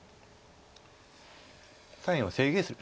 左辺を制限する。